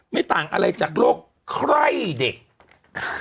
ไม่ต่างอะไรจากโรคไคร่เด็ก